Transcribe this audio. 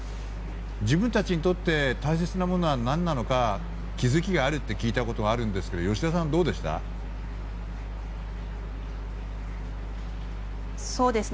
自分たちにとって大切なものは何なのか気付きがあるって聞いたことがあるんですが吉田さんはどうでしたか。